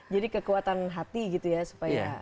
jadi kekuatan hati gitu ya supaya